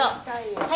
はい。